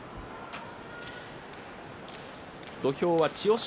土俵は千代翔